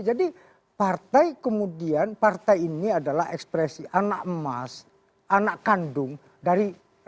jadi partai kemudian partai ini adalah ekspresi anak emas anak kandung dari reformasi